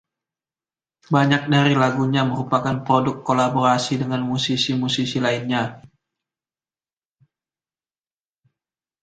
Banyak dari lagunya merupakan produk kolaborasi dengan musisi-musisi lainnya.